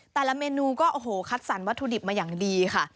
แต่ละเมนูก็โอ้โหคัดสรรวัตถุดิบมาอย่างดีค่ะ